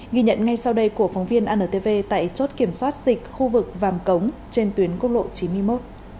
ghi nhận ngay sau đây của phóng viên antv tại chốt kiểm soát dịch khu vực vàm cống trên tuyến quốc lộ chín mươi một